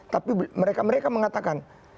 tapi mereka mereka mengatakan